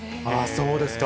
そうですか。